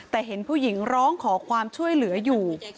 แต่เห็นผู้หญิงร้องขอความช่วยเหลืออยู่